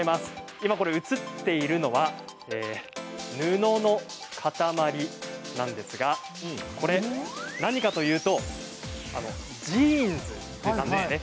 今、映っているのは布の塊なんですがこれ、何かというとジーンズですね。